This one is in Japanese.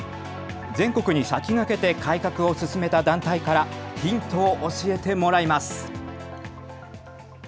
全国に先駆けて改革を進めた団体からヒントを教えてもらいます。